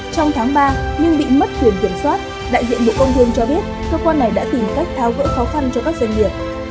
trong tháng ba nhưng bị mất quyền kiểm soát đại diện bộ công thương cho biết cơ quan này đã tìm cách tháo gỡ khó khăn cho các doanh nghiệp